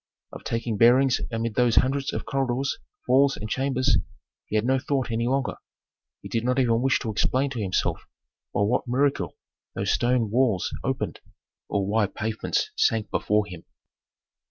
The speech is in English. Of taking bearings amid those hundreds of corridors, halls, and chambers, he had no thought any longer. He did not even wish to explain to himself by what miracle those stone walls opened, or why pavements sank before him.